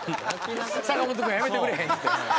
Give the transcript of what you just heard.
「阪本がやめてくれへん」っつって。